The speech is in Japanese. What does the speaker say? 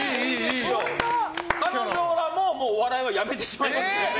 彼女はもうお笑いはやめてしまいますから。